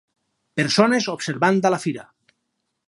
Persones observant a la fira.